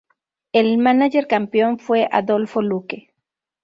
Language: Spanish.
El mánager campeón fue Adolfo Luque.